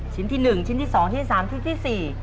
ชิ้นที่๑ชิ้นที่๒ชิ้นที่๓ชิ้นที่๔ชิ้นที่๕